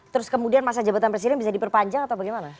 terus kemudian masa jabatan presiden bisa diperpanjang atau bagaimana